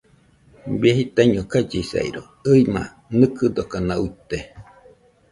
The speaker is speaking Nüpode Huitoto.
Baie jitaiño kallisairo, ɨima nɨkɨdokanauite